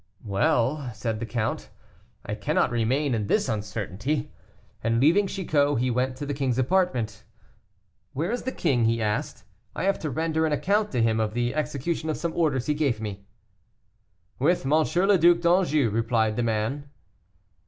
"Well," said the count. "I cannot remain in this uncertainty." And leaving Chicot, he went to the king's apartment. "Where is the king?" he asked: "I have to render an account to him of the execution of some orders he gave me." "With M. le Duc d'Anjou," replied the man.